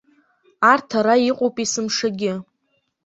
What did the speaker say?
Арҭ ара иҟоуп есымшагьы.